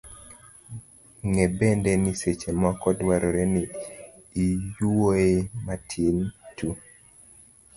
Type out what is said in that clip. Ng'e bende ni seche moko dwarore ni iyue matin tu.